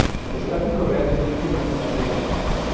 El tráfico real del sitio no es conocido.